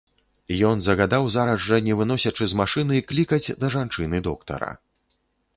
Ён загадаў зараз жа, не выносячы з машыны, клікаць да жанчыны доктара.